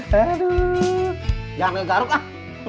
jangan ngegaruk ah